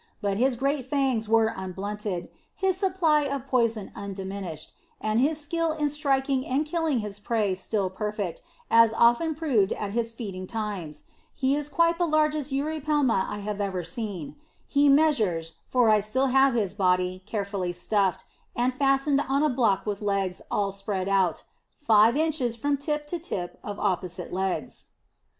But his great fangs were unblunted, his supply of poison undiminished, and his skill in striking and killing his prey still perfect, as often proved at his feeding times. He is quite the largest Eurypelma I have ever seen. He measures for I still have his body, carefully stuffed, and fastened on a block with legs all spread out five inches from tip to tip of opposite legs.